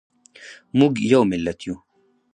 موږ یو ملت یو